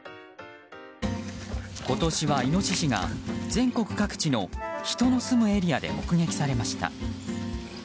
今年はイノシシが全国各地の人の住むエリアで目撃されました。